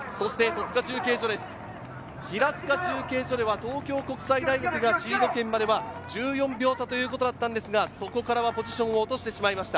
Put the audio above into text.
平塚中継所では東京国際がシード権までは１４秒差ということでしたが、そこからポジションを落としてしまいました。